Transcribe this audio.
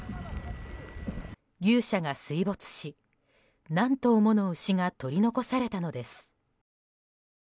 牛舎が水没し、何頭もの牛が取り残されたのです。